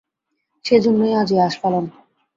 সেইজন্যেই আজ এই আস্ফালন।